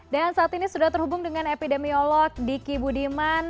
dan saat ini sudah terhubung dengan epidemiolog diki budiman